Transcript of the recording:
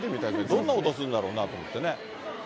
どんな音するんだろうなと思ってね。